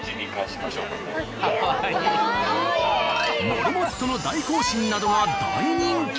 モルモットの大行進などが大人気！